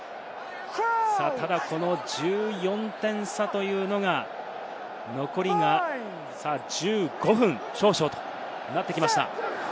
さぁただ、この１４点差というのが、残りが１５分少々となってきました。